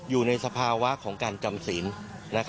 อยู่ในสภาวะของการจำศีล